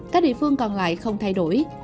các địa phương còn lại không thay đổi